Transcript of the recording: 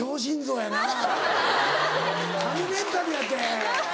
神メンタルやて。